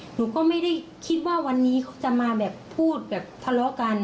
หนูก็ไม่ได้คิดว่าวันนี้เขาจะมาแบบพูดแบบทะเลาะกัน